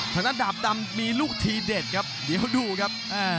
ทางด้านดาบดำมีลูกทีเด็ดครับเดี๋ยวดูครับ